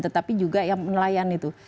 tetapi juga yang nelayan itu